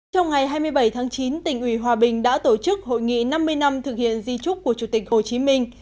trong ngày hai mươi bảy tháng chín tỉnh ủy hòa bình đã tổ chức hội nghị năm mươi năm thực hiện di trúc của chủ tịch hồ chí minh